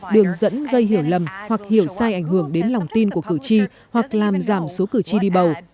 đường dẫn gây hiểu lầm hoặc hiểu sai ảnh hưởng đến lòng tin của cử tri hoặc làm giảm số cử tri đi bầu